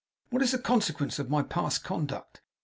What is the consequence of my past conduct?